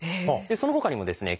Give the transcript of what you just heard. そのほかにもですね